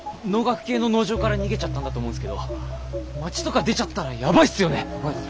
農学系の農場から逃げちゃったんだと思うんすけど街とか出ちゃったらやばいっすよね。